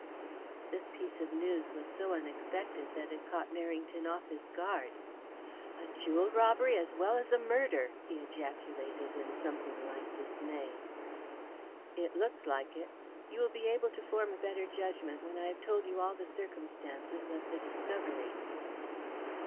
This piece of news was so unexpected that it caught Merrington off his guard. "A jewel robbery as well as murder!" he ejaculated, in something like dismay. "It looks like it. You will be able to form a better judgment when I have told you all the circumstances of the discovery."